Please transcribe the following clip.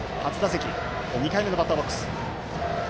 ２回目のバッターボックス。